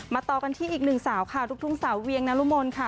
ต่อกันที่อีกหนึ่งสาวค่ะลูกทุ่งสาวเวียงนรมนค่ะ